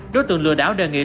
đối tượng lừa đảo đề nghị